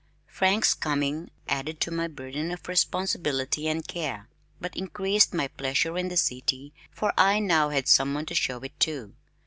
Frank's coming added to my burden of responsibility and care, but increased my pleasure in the city, for I now had someone to show it to.